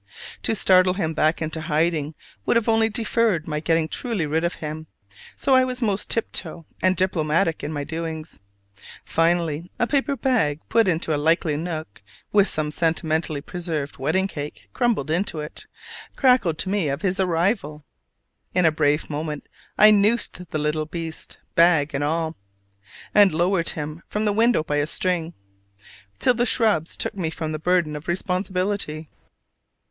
To startle him back into hiding would have only deferred my getting truly rid of him, so I was most tiptoe and diplomatic in my doings. Finally, a paper bag, put into a likely nook with some sentimentally preserved wedding cake crumbled into it, crackled to me of his arrival. In a brave moment I noosed the little beast, bag and all, and lowered him from the window by string, till the shrubs took from me the burden of responsibility.